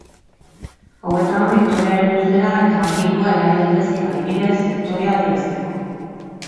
Hauetan bektorearen luzera eta angelua erabil daitezke, adibidez, bektorea adierazteko.